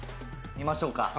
見ましょうか。